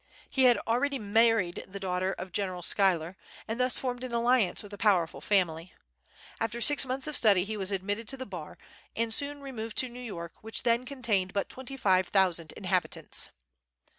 He had already married the daughter of General Schuyler, and thus formed an alliance with a powerful family. After six months of study he was admitted to the Bar, and soon removed to New York, which then contained but twenty five thousand inhabitants.